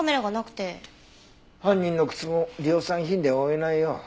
犯人の靴も量産品で追えないよ。